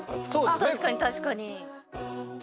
あ確かに確かに。